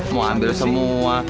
mau ambil semua